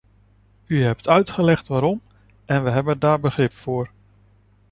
U hebt uitgelegd waarom en we hebben daar begrip voor.